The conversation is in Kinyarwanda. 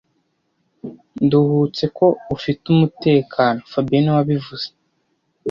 Nduhutse ko ufite umutekano fabien niwe wabivuze